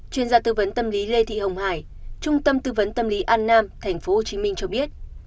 chuyên gia tư vấn tâm lý lê thị hồng hải trung tâm tư vấn tâm lý an nam tp hcm cho biết